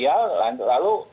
gampang sekali pak